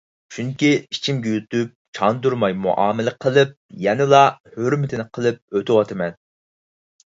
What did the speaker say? چۈنكى ئىچىمگە يۇتۇپ، چاندۇرماي مۇئامىلە قىلىپ، يەنىلا ھۆرمىتىنى قىلىپ ئۆتۈۋاتىمەن.